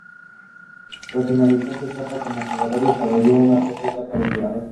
Tras finalizar su etapa como jugador, desarrolló una corta etapa como entrenador.